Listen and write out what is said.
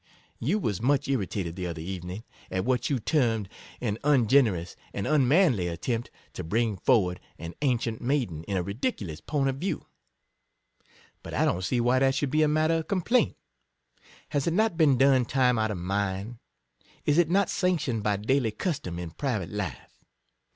You was much irritated the other evening, at what you termed an ungenerous and \uj 57 manly attempt to bring forward an ancient maiden in a ridiculous point of view. But I don't see why that should be made a matter of complaint. Has it not been done time out of mind ? Is it not sanctioned by daily custom in private life?